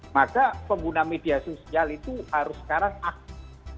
maka pengguna media sosial itu harus sekarang aktif